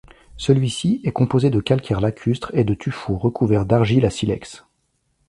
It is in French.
Celui-ci est composé de calcaire lacustre et de tuffeau recouvert d'argile à silex.